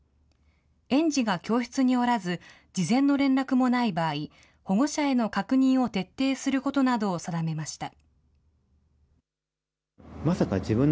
園児が教室におらず、事前の連絡もない場合、保護者への確認を徹底することなどを定めました。